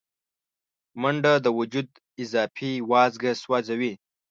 منډه د وجود اضافي وازګه سوځوي